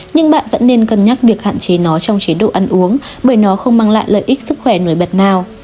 nhưng bạn vẫn nên cân nhắc việc hạn chế nó trong chế độ ăn uống bởi nó không mang lại lợi ích sức khỏe nổi bật nào